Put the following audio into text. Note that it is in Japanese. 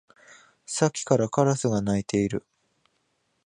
さっきからカラスが鳴いている